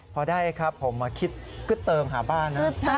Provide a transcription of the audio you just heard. พอได้ครับผมมาคิดคึดเติมหาบ้านนะ